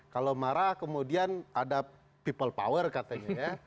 kalau marah kemudian ada people power katanya ya